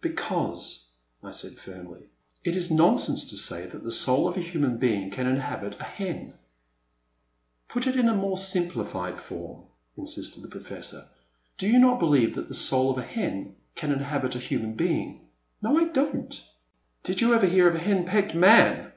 Because," I said, firmly, '* it is nonsense to say that the soul of a human being can inhabit a hen !"Put it in a more simplified form !" insisted the Professor; *' do you believe that the soid of a hen can inhabit a human being ?"*' No, I don't !"Did you ever hear of a hen pecked man